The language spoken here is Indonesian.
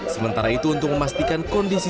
sementara itu untuk memastikan kondisi